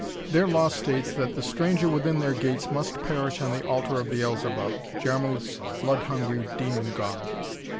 "Their law states that the stranger within their gates must perish on the altar of Beelzebub, Jarmuth's blood hungry demon god."